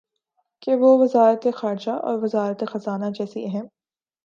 کہ وہ وزارت خارجہ اور وزارت خزانہ جیسی اہم